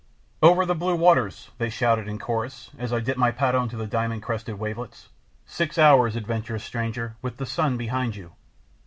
"Over the blue waters!" they shouted in chorus as I dipped my paddle into the diamond crested wavelets. "Six hours, adventurous stranger, with the sun behind you!